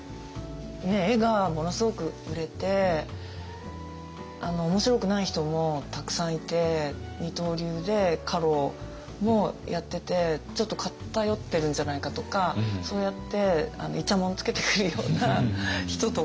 絵がものすごく売れて面白くない人もたくさんいて二刀流で家老もやっててちょっと偏ってるんじゃないかとかそうやっていちゃもんつけてくるような人とか。